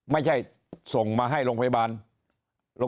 ไม่ใช่ส่งมาให้โรงพยาบาล